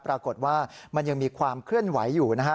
ปรากฏว่ามันยังมีความเคลื่อนไหวอยู่นะฮะ